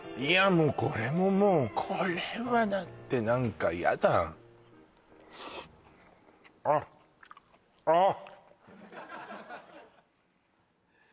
もうこれももうこれはだって何かヤダあっあっ